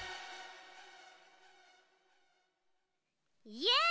イエイ！